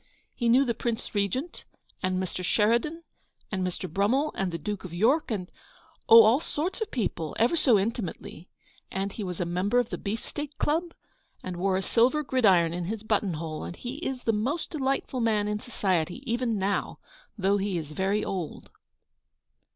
He knew the Prince Regent, and Mr. Sheridan, and Mr. Brummel, and the Duke of York, and — oh, all sorts of people, ever so intimately ; and he was a member of the Beefsteak Club, and wore a silver gridiron in his button hole, and he is the most delightful man in society, even now, though he is very old."